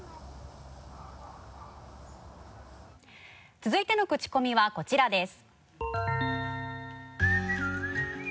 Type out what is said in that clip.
続いてのクチコミはこちらです。